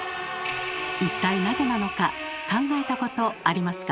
一体なぜなのか考えたことありますか？